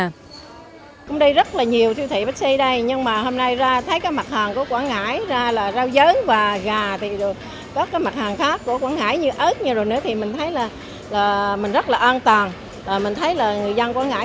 đà nẵng đây là một siêu thị bixi là một siêu thị lớn mà có mặt hàng như đây là mình rất vui và rất tự hợp cho quảng ngãi